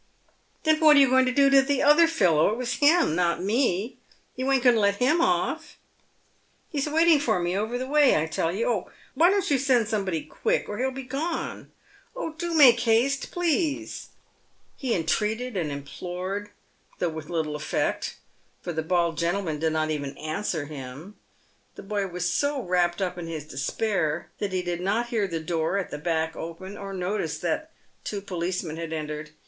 " Then what are you going to do to the other fellow ? It was him, not me. Tou ain't a going to let him off? He's waiting for me over the way, I tell you. Oh ! why don't you send somebody quick, or he'll be gone ? Oh ! do make haste, please !" He entreated and implored, though with little effect, for the bald gentleman did not even answer him. The boy was so wrapped up in his despair that he did not hear the door at the back open, or notice that two policemen had entered.